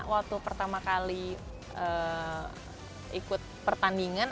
waktu pertama kali ikut pertandingan